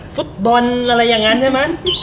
ฟุทแบลอะไรอย่างนั้นใช่มั้ย